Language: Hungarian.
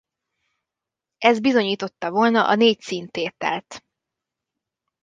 Ez bizonyította volna a négyszín-tételt.